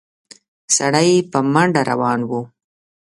سړی په منډه روان و.